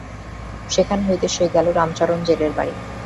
সেখান হইতে সে গেল রামচরণ জেলের বাড়ি।